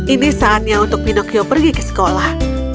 ini saatnya untuk pinocchio pergi ke sekolah